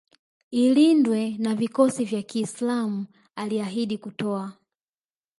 ilindwe na vikosi vya kiislam Aliahidi kutoa